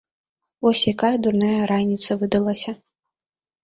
Вось якая дурная раніца выдалася.